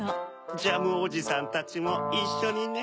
ジャムおじさんたちもいっしょにね。